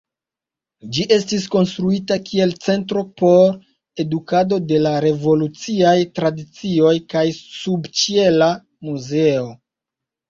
Ĝi estis konstruita kiel centro por edukado de la revoluciaj tradicioj kaj subĉiela muzeo.